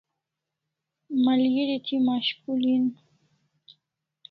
Malgeri thi mashkul hin